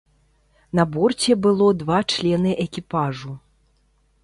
На борце было два члены экіпажу.